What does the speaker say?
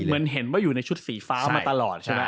เหมือนเห็นว่าอยู่ในชุดสีฟ้ามาตลอดใช่ไหม